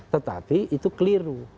tetapi itu keliru